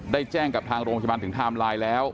ได้แจ้งกับทางโรงพยาบาลถึงไทม์ไลน์แล้ว